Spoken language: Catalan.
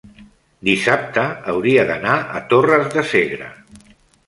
dissabte hauria d'anar a Torres de Segre.